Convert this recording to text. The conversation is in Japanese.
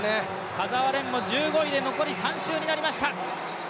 田澤廉も１５位で残り３周になりました。